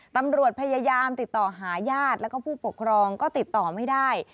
ตำรวจพยายามติดต่อหาญาติแล้วก็ผู้ปกครองก็ติดต่อไม่ได้